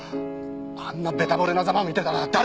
あんなベタ惚れなザマ見てたら誰。